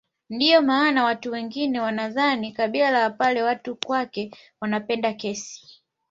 Ndio maana watu wengine wanadhani kabila la wapare watu kwake wanapenda kesi